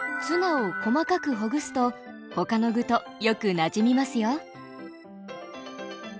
ツナを細かくほぐすと他の具とよくなじみますよ。